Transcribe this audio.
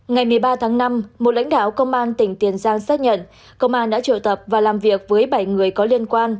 ngày một mươi ba tháng năm một lãnh đạo công an tỉnh tiền giang xác nhận công an đã triệu tập và làm việc với bảy người có liên quan